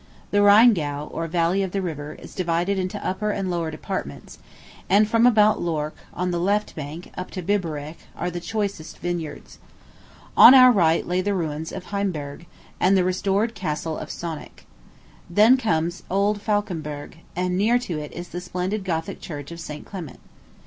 The Rheingau, or valley of the river, is divided into upper and lower departments; and from about Lorch, on the left bank, up to Biberich, are the choicest vineyards. On our right lay the ruins of Heimberg, and the restored Castle of Sonneck. Then comes old Falkenberg, and near to it is the splendid Gothic Church of St. Clement.